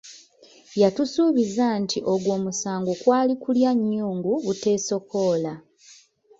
Yatusuubiza nti ogwo omusango kwali kulya myungu buteesokoola.